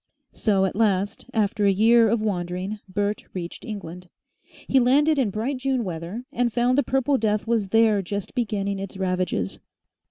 So at last, after a year of wandering Bert reached England. He landed in bright June weather, and found the Purple Death was there just beginning its ravages.